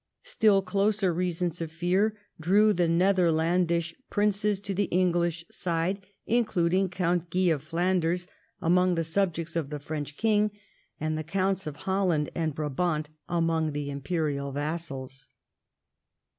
Still closer reasons of fear drew the Netherlandish princes to the English side, including Count Guy of Flanders among the subjects of the French king, and the Counts of Holland and Brabant among the imperial vassals.